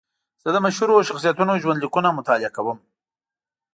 زه د مشهورو شخصیتونو ژوند لیکونه مطالعه کوم.